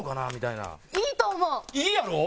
いいやろ？